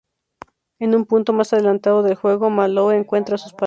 En un punto más adelantado del juego, Mallow encuentra a sus padres.